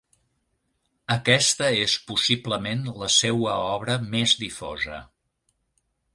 Aquesta és possiblement la seua obra més difosa.